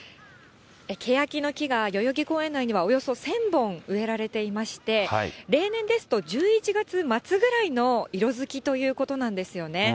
けやきの木が代々木公園内にはおよそ１０００本植えられていまして、例年ですと、１１月末くらいの色づきということなんですよね。